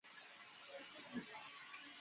汉景帝时一度改称中大夫令。